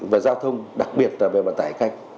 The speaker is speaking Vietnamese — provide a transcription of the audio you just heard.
và giao thông đặc biệt là về vận tải khách